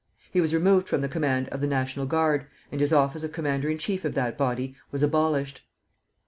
He was removed from the command of the National Guard, and his office of commander in chief of that body was abolished.